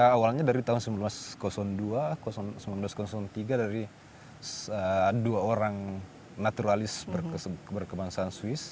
awalnya dari tahun seribu sembilan ratus dua seribu sembilan ratus tiga dari dua orang naturalis berkebangsaan swiss